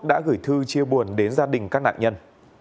đã gửi thư chia buồn đến gia đình các nạn nhân